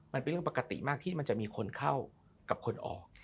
มันเป็นเรื่องปกติมากที่มันจะมีคนเข้ากับคนออก